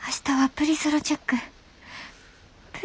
プリソロチェック。